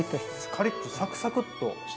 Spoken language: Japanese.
カリッとサクサクッとしてて。